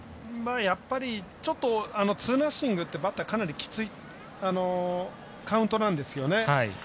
やっぱりちょっとツーナッシングってバッターはかなりきついカウントなんですよね。